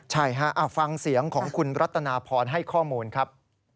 ใช่ฮะฟังเสียงของคุณรัตนาพรให้ข้อมูลครับ